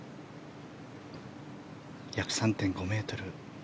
約３．５ｍ。